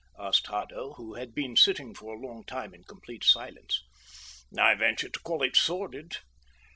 asked Haddo, who had been sitting for a long time in complete silence. "I venture to call it sordid."